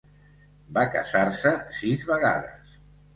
Va casar-se sis vegades.